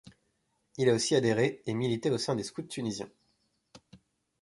Il a aussi adhéré et milité au sein des Scouts tunisiens.